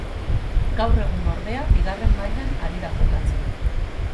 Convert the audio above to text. Gaur egun ordea bigarren mailan ari da jokatzen.